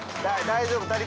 大丈夫？